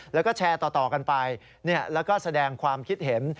แล้วก็แชร์ต่อกันไปแล้วก็แสดงความคิดเห็น